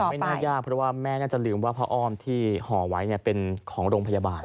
ไม่น่ายากเพราะว่าแม่น่าจะลืมว่าผ้าอ้อมที่ห่อไว้เป็นของโรงพยาบาล